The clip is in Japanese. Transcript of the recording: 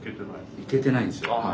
行けてないんすよ。